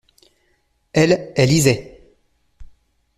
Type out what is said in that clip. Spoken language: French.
Elles, elles lisaient.